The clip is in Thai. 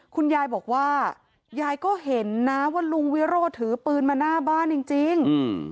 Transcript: คุณยายบอกว่ายายก็เห็นนะว่าลุงวิโรธถือปืนมาหน้าบ้านจริง